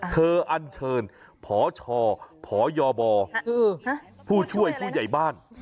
อันเชิญพชพยบผู้ช่วยผู้ใหญ่บ้าน